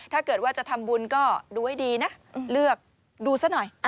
ถ้าเกิดว่าจะทำบุญก็ดูให้ดีนะเลือกดูซะหน่อย